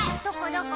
どこ？